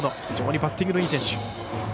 非常にバッティングのいい選手。